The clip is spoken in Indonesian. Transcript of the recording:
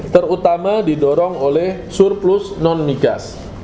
terutama didorong oleh surplus non migas